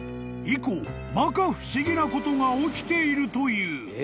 ［以降まか不思議なことが起きているという］